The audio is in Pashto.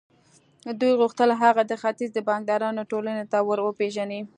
دوی غوښتل هغه د ختيځ د بانکدارانو ټولنې ته ور وپېژني.